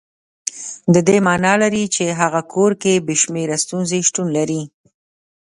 د دې معنا لري چې هغه کور کې بې شمېره ستونزې شتون لري.